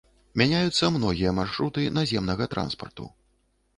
Мяняюцца многія маршруты наземнага транспарту.